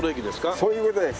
そういう事です。